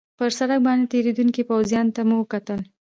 پر سړک باندې تېرېدونکو پوځیانو ته مو کتل.